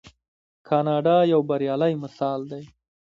کاناډا یو بریالی مثال دی.